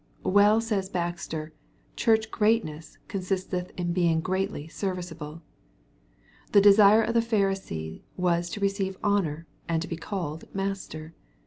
Well says Baxter, " church greatness consisteth in being greatly serviceable." The desire of the Pharisee was to receive honor, and to be called " master."